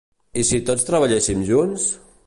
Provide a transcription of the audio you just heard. I si tots treballéssim junts?